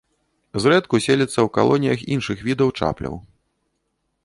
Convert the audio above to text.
Зрэдку селіцца ў калоніях іншых відаў чапляў.